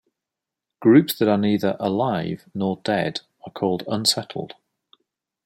Groups that are neither "alive", nor "dead", are called "unsettled".